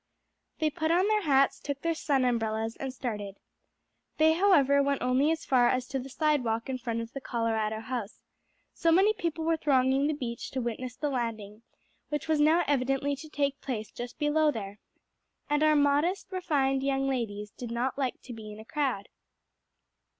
They put on their hats, took their sun umbrellas, and started. They however went only as far as to the sidewalk in front of the Colorado House so many people were thronging the beach to witness the landing, which was now evidently to take place just below there, and our modest, refined young ladies did not like to be in a crowd.